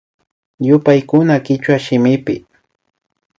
Yupaykuna kichwa shimipi